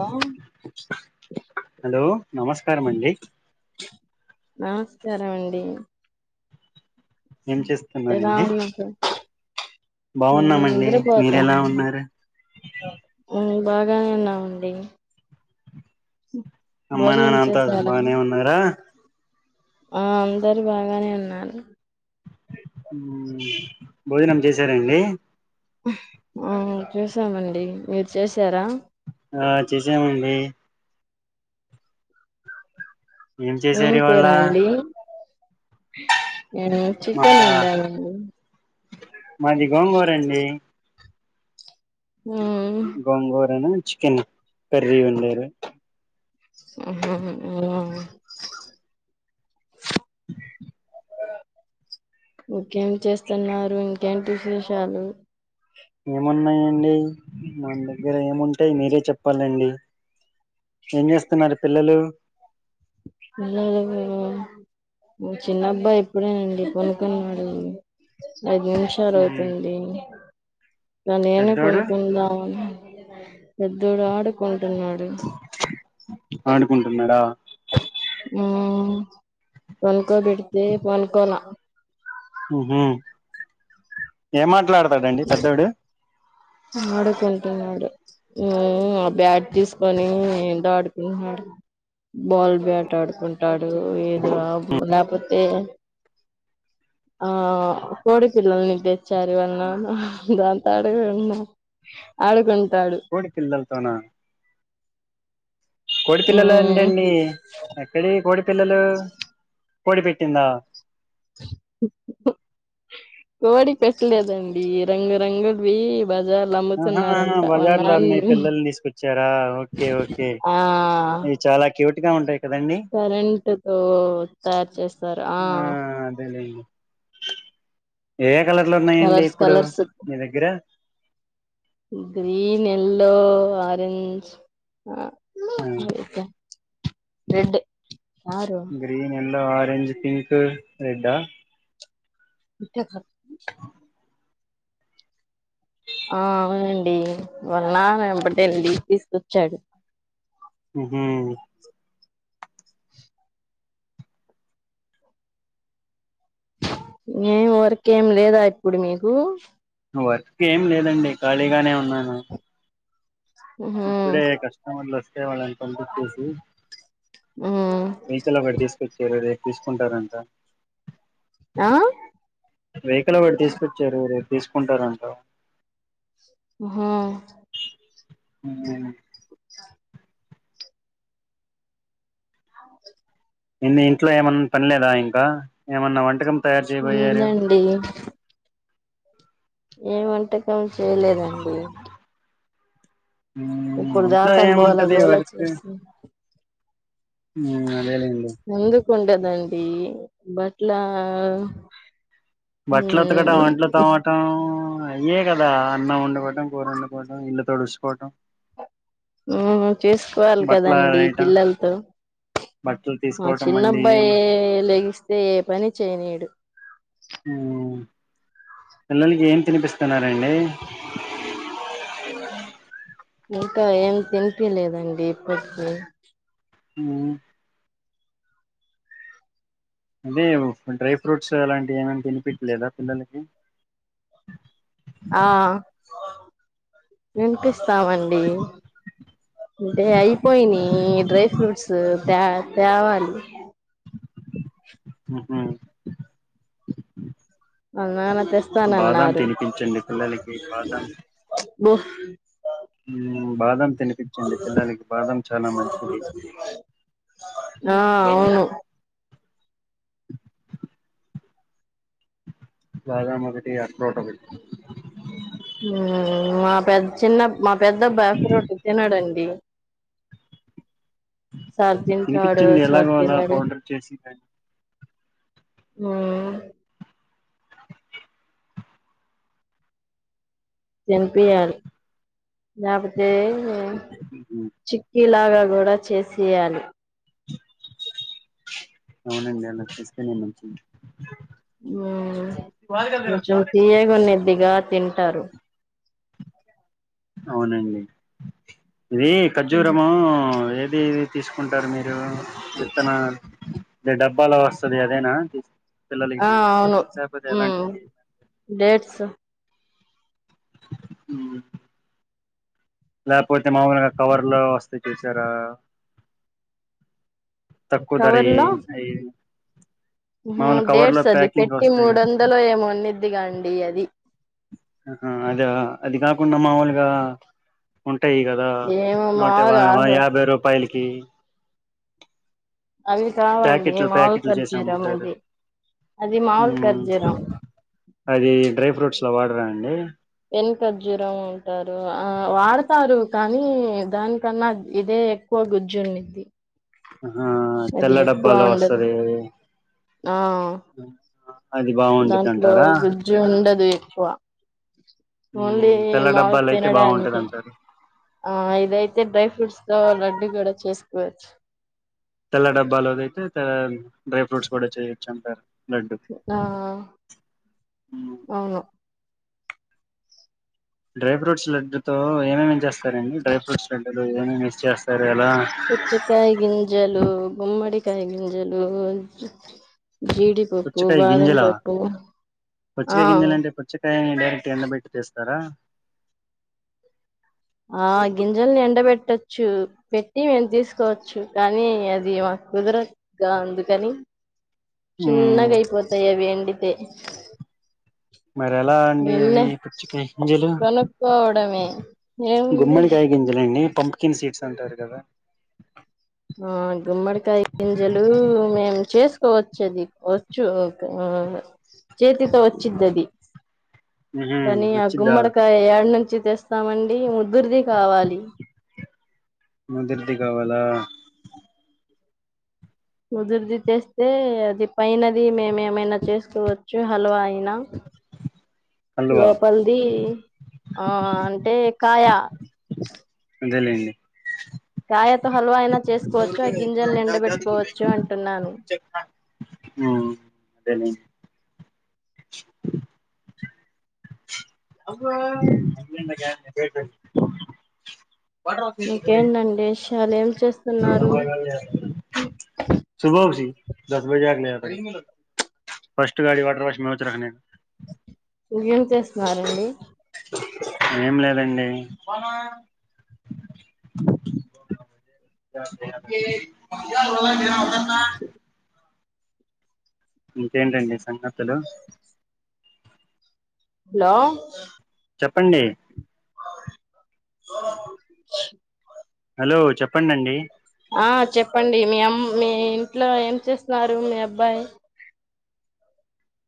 ఆ కారంమండి నమస్కారం అండి ఏం ఎలా చేస్తున్నారండి ఉన్న అసలు బాగున్నామండి మీరెలా ఉన్నారు బాగానేఉన్నామండి అమ్మానాన్న అంత చేశారా బానే ఉన్నారా ఆ అందరు బాగానే ఉన్నారు ఉ భోజనం చేశారండి అహ్ ఆ చేసామండి మీరు చేసారా ఆ చేసామండి ఏం చేసారు కూర ఇవాళ అండి ఏ చికెన్ మాదా ఒండాము అండి మాది గోంగూర అండి మ్మ్ గోంగూరనే చి తిను కర్రి వండారు ఉహు ఉ ఒకే ఏం చేస్తున్నారు ఇంకేటి విశేషాలు ఏమున్నాయండి మనదగ్గర దగ్గర ఏముటాయి మీరే చెప్పాలండి ఎంచేస్తున్నారు పిల్లలు పిల్లలు ఉ చిన్నబ్బాయి ఇప్పుడేనండీ పడుకున్నాడు ఐదు నిమిషాలు మ్ అవుతుంది నన్నీయ్యండి పెద్దోడు కొనుకుందాము ఏ కాదు అండి పెద్దోడు ఆడుకుంటున్నాడు ఆడుకుంటున్నాడా ఉమ్ పండుకొబెడితే పడుకోలే ఉహుమ్ ఏ మాట్లాడు ఆడుకు ఉంటు నడు ఉమ్ ఆ బ్యాట్ తీసుకొని ఏ ఆడుకుంటాడు బాల్ బ్యాట్ ఆడుకుంటాడు అ లెక్పోథే ఆ కోడిపిల్లల్ని తెచ్చారు వాళ్ళన దాంతో ఆడుకుడా ఆడుకుంట కోడి పిల్లలతోనా కోడిపిల్లల మ్మ్ ఏంటండి అక్కడి కోడిల్ పిల్లలు కోడి పెట్టిందా కోడి పెట్టలేదండి రంగురంగులువి ఆహ బజార్ లో మీ నాన్న పిల్లల్ని తీసుకొచ్చారా ఓకే ఓకే ఆ ఇవి చాలా క్యూట్ గా ఉంటయి కరెంట్ తో తయారు చేస్తారు ఆ అ ఏ కలర్లు ఉన్నాయండి కలర్స్ ఇప్పుడు కలర్స్ మీ దగ్గర గ్రీన్ ఎల్లో ఆరెంజ్ ఆ అతే రెడ్ కారు గ్రీన్ ఎల్ ఆరెంజ్ పింక్ రెడ్ ఇట్టే కా ఆ అవునండి మన్నా ఎంబటండి తీసుకొచ్చాడు ఉహు ఏం వర్క్ ఏమి లేదా ఇప్పుడు మీకు వర్క్ ఏం లేదండి ఖాళీగానే ఉన్నాను ఉహు ఇప్పుడే కస్టమర్లు వస్తే వాళ్ళని పంపిచ్చేసి ఉ మీకెల వాడు తీసుకొచ్చారు అది తీసుకుంటారంట ఆ వెహికల్ వాడి తీసుకొచ్చారు ఎవరొ తీసుకుంటారంట హా ఉ అవు ఎన్ని ఇంట్లో ఏమన్న పని లేదా ఇంకా ఏమన్న వంటకం తయారు చేయబోయారు ఉందండి ఏం వంట ఏం చేయలేదండి ఇప్పుడు ఇంట్లో దాకా గోల ఏముంటది గోల వర్క్ చేసి అదేలేండి ఎందుకు ఉండదండి బట్లా బట్లు ఉతకడం అంట్లు తోమడం ఇవ్వే కదా అన్నం వండుకోవటం కూర వండుకోవటం ఇల్లు తుడుచుకోవటం ఉహు చూసుకోవాలి బట్టలు కదండి ఆరేయటం పిల్లలతో బట్టలు మా తీసుకోవటం మళ్ళీ చిన్నబ్బాయి లెగిస్తే ఏ పని చేయనిడు మ్మ్ పిల్లలకి ఏం తినిపిస్తున్నారండి ఇంకా ఏం తినిపిలేదండి ఇప్పటికి ఉం లేవు డ్రై ఫ్రూట్స్ అలాంటివి ఏమన తినిపిచ్చలేదా పిల్లలకి తినిపిస్తామండి అంటె అయిపోయినయి డ్రై ఫ్రూట్స్ త్యా త్యావాలి. ఉహు వాళ్ళ నాన్న బాదం తెస్తానన్నారు తినిపించండి పిల్లలకి బాదం బహ హుం బాదం తినిపిచ్చండి పిల్లలకి బాదం చాలా మంచిది ఆ అవును బాదం ఒకటి అరటిపండు ఒకటి హు మా పెద్ చిన్న మా పెద్దబ్బాయి ఫ్రూట్ తినడండి సార్ తింటాడు తినిపిచ్చండి సార్ ఎలాగో అలా పౌడర్ చేసి హు తినిపియ్యాలి ల్యాపోతె చుక్కిలాగా వడా చేసేయాలి అవునండి అలా చేస్తేనే మంచిద్ మ్మ్ కొంచం తీయగన్నదిగా తింటారు అవునండి ఇది ఖజ్జురము ఇంకేమి తీసుకుంటారు మీరు ఇత్తన ద డబ్ ఫాలో వస్తది అదేనా పిల్లలకి ఆ అవును తినిపించేది లేకపోతే మ్మ్ ఎలాంటిది డేట్స్ మ్మ్ ల్యాప్ పోతే మామూలుగా కవర్లో వస్తాయి చూశారా తక్కువ ధర యి అయి హ్మ్ హు మాముూలు కవర్ లో డేట్స్ అది ప్యాకింగ్ పెట్టి వస్తాయి మూడు వందలు ఏమోనిద్దిగా అండి అది ఆ హ అదే క అది కాకుండా మామూలుగా ఉన్ టయి కదా ఏమో నూట బాగా బాగా మాములుగా యాభై రూపాయలు ఇస్ కీ అవి కావండి మావల్ ఖర్జూరం అమ్ముతారు అది అది మావల్ మ్మ్ ఖర్జూరం పలవాడరా అండి వెనుకజ్జరం ఉంటారు ఆ వాడతారు కానీ దానికన్నా ఇదే ఎక్కువ గుజ్జు ఉడిది అహా తెల్ల డబ్బాలో ఉండదు వస్తంది ఆ దాంట్లో గుజ్జు ఉండదు కువా ఓన్లీ మ్మ్ తెల్ల మాలు డబ్బాలు అయితే బాగుంటది తినడానికి అంటారు ఆ ఇదైతే డ్రై ఫ్రూట్స్ తో లడ్డడు కూడా చేస్త బస్ తెల్ల డబ్బాలోద అయితే డ్రై ఫ్రూట్స్ కూడా చేయొచ్చు అంటారు లడ్డు ఆ అవును డ్రై ఫ్రూట్స్ లడ్డుతో ఏమేమేమి చేస్తాం సరేడి డై ఫ్రూట్స్ లడ్డు చెస్తార్ పుచికేయ్ గింజలు గుొమ్మడికాయ గింజలు జీడిపప్పు పుచ్చకాయ బాదం గింజల పప్పు పుచ్చకాయ గింజల ఆ అంటే పుచ్చకాయని డైరెక్ట్ ఎండబెట్టి తీస్తారా ఆ గింజల్ని ఎండబెట్టొచ్చు చు పెట్టి మేము తీసుకోవచ్చు కానీ అది మాకు కుదరగా ఉందుకని చిన్నగా అయిపోతాయివేండి థే మరి ఎలా అండి అవి కుచ్చికయ గింజలు కొనుక్కోవడమే ఏముంది గుమ్మడికాయ గింజలు అండి పంప్కిన్ సీట్స్ అంటారు కదా ఆ గుమ్మడికాయ గింజలు మేము చేసుకోవచ్చది వచ్చు చేతితో వచ్చిదిది ఉహు సని వచ్చిద్దా గుమ్మడకా ఎరడుంచి రచి తెస్తామండి ముద్దురిది కావాలి మాదిరిది కావాలా ముదుర్ది తెస్తే అది పైనది మేముేమైనా చేసుకోవచ్చు హల్వా అయినా హల్వా లోపలిది ఆ అంటే కాయా అదేలేండి కాయతో హల్వా అయినా చేసుకోవచ్చు ఆ గింజల్ని ఎండబెట్టుకోవచ్చు అంటున్నాను ఉమ్ అదేలేండి [unintelligible] ఇంకేంటండి తలెం చేస్తున్నారు ఫస్ట్ గాడి సింహాచలం ది ఏం చేస్తున్నారండి ఏం లేదండి ఇంకేంటండి సంగతులు హలో చెప్పండి హలో చెప్పండండి ఆ చెప్పండి మీ అమ్ మీ ఇంట్లో ఏం చేస్తున్నారు మీ అబ్బాయి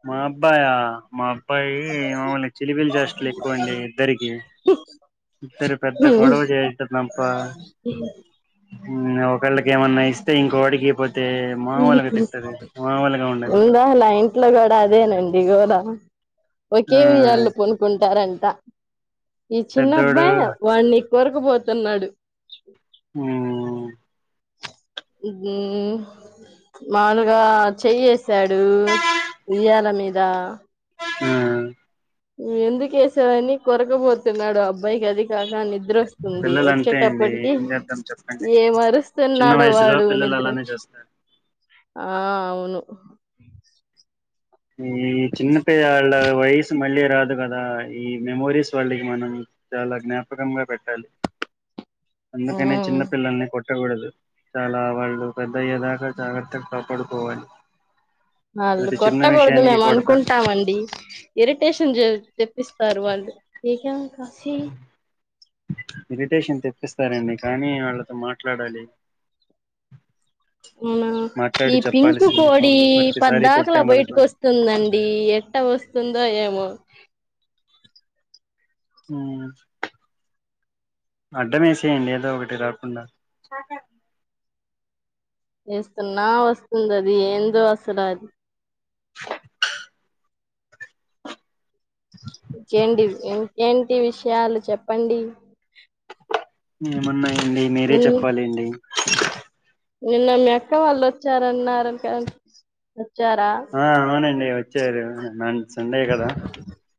మా అబ్బాయా మా అబ్బాయి ఏమో చిలిపిల్ చేష్టలు ఎక్కువండి ఇద్దరికి ఇద్దరు పెద్ద గొడవ చెయ్యద్దండి అబ్బా మ్ ఒకళ్ళకి ఏమన్నా ఇస్తే ఇంకోడికి ఇపో ఉండదు ఉందా అలా ఇంట్లో కూడా అదేనండి గోల ఆ ఒకే వియాల్లో పనుకుంటారం త ఈ పెద్దోడు చిన్నబ్బాయ్ వాని కోరుకుపోతున్నాడు ఉమ్ ఉ హ్మ్ మానుగా చేయేశాడు ఉయ్యాల మీద హ్మ్ ఎందుకేశావని కొరకబోతున్నాడు. అబ్బాయికి అది కాగా నిద్ ద్రొస్తుంది. పిల్లలు అంతే అండి వచ్చేటప్పటికి, ఏం చేద్దాం చెప్పండి చిన్న ఏమరుస్తున్నాడో వయసులో వాడు. పిల్లలు అలానే నిద్రొచ్చి చేస్తారు ఆ వును ఈ చిన్న పిల్లాల వయసు మళ్ళీ రాదు కదా. ఈ మెమోరీస్ వాళ్ళికి, మనం చాలా జ్ఞాపకంగా పెట్టాలి అందుకనే మ్మ్ చిన్న పిల్లల్ని కొట్టకూడదు చాలా వాళ్ళు పెద్దయ్యే దాకా జాగర్తగ్ కాపాడుకోవాలి అల్లు ప్రతి కోట్ చిన్న ట్టకూడదు విషయానికి మేం కొడతా అనుకుంటామండి. ఇరిటేషన్ జే తేప్పిస్తారు వాళ్ళు ఏక్యా వసీ ఇరిటేషన్ తెప్ పిస్తారండి కానీ ఆళ్ళు త మాట్లాడాలి ఊనా. ఈ మాట్లాడి పింకు చెప్పాల్సింది కోడి పాపం ప్రతిసారి పద్దాకలా కొట్టామనుకోండి బయట్కోస్తుందండి. ఎట్ట వస్తుందో ఏమో హ్మ్ అడ్డమేసేయండి ఏదో ఒగటి రాకుండా వెస్తున్నా వస్తుందది ఏందో అసలు అద్ టి విష్యాలు చెప్పండి ఏమన్ న్నాయండి మీరే నిన్ చెప్పాలిండి నిన్న మీ అక్క వాళ్ళు వచ్చారన్నారన్ కరణ్ ఆ అవునండి వచ్చారు నాన్ సండేగదా.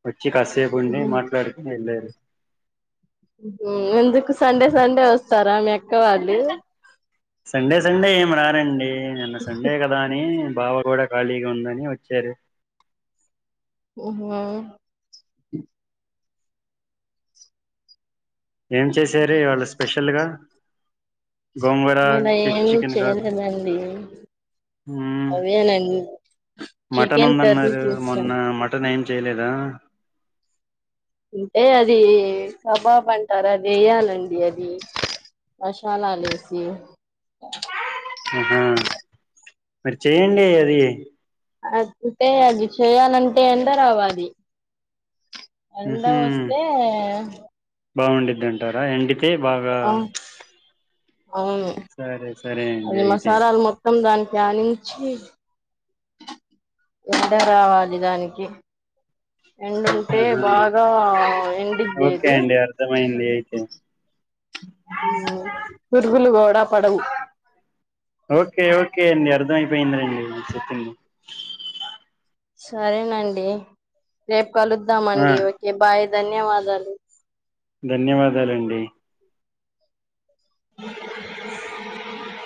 వచ్చి కాసేపు ఉండి ఉహు. మాట్లాడుకుని వెళ్ళారు హ్మ్ ఎందుకు స్ సండే సండే వస్తారా మీ అక్క వాళ్ళి సండే సండే ఏమి రారంండి ఏ నిన్న సండే గదా అనీ బావ గూడా ఖాళీగా ఉండని వచ్చారు ఓహువ ఏం చేశారీవాళ్ళ స్పెషల్గా మొన్న ఏం చేయలేదండి. మ్మ్ అవేనండి మటన్ చికెన్ కర్రీ ఉందన్నారు చేసాం మొన్న మటన్ ఏం చేయలేదా అంటే అది కబాబ్ అంటారా అదేయాలండి అది మషలాలేసి ఆహా మరి చేయండి అది అంతే అది చేయాలంటే ఎండ రావాలి ఎండ ఊహూ వస్తే బాగుండిద్ది అంటారా ఎండిప్ కే భాగా ఆ అవును అది అయితే మసాలాలు మొత్తం దానికి దనించి ఎండ రావాలి దానికి ఎండుంటే ఆహా బాగా ఎండిద్ది ఓకే అది అండి అర్థమైంది అయితే పురుగులు కూడా పడవు పెండ్రైవ్ లో చెప్పింది సరేనండి రేపు ఆ కలుద్దామండి ఓకే బాయ్ ధన్యవాదాలు ధన్యవాదాలండి